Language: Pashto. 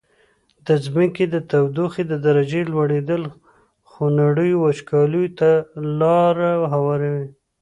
د ځمکي د تودوخي د درجي لوړیدل خونړیو وچکالیو ته لاره هواروي.